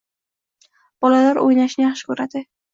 Bolalar o‘ynashni yaxshi ko‘radilar